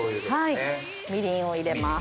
みりんを入れます。